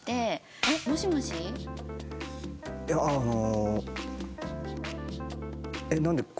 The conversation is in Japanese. いやあの。